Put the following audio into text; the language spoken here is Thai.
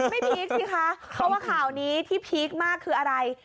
พีคสิคะเพราะว่าข่าวนี้ที่พีคมากคืออะไร